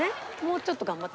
もうちょっと頑張って。